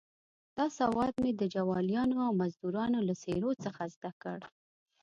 دا سواد مې د جوالیانو او مزدروانو له څېرو څخه زده کړ.